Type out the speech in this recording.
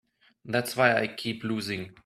That's why I keep losing.